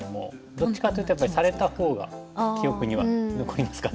どっちかっていうとやっぱりされたほうが記憶には残りますかね。